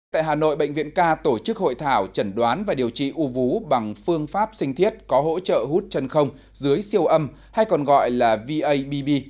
tại hà nội bệnh viện k tổ chức hội thảo chẩn đoán và điều trị u vú bằng phương pháp sinh thiết có hỗ trợ hút chân không dưới siêu âm hay còn gọi là vabb